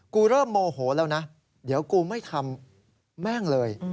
กูเริ่มโมโหแล้วนะเดี๋ยวกูไม่ทำแม่งเลย